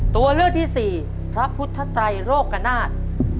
ตัวเลือกที่สี่พระพุทธไตรโรคนาฏ